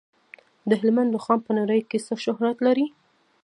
د هلمند رخام په نړۍ کې څه شهرت لري؟